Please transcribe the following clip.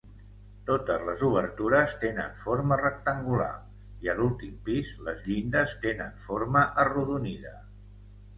Totes les obertures tenen forma rectangular i a l'últim pis les llindes tenen forma arrodonida.